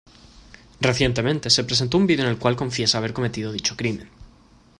Recientemente, se presentó un vídeo en el cual confiesa haber cometido dicho crimen.